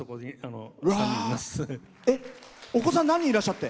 お子さん何人いらっしゃって？